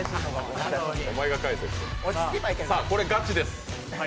これガチです。